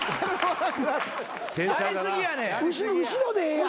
後ろでええやん。